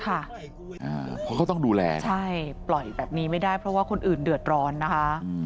เพราะเขาต้องดูแลใช่ปล่อยแบบนี้ไม่ได้เพราะว่าคนอื่นเดือดร้อนนะคะ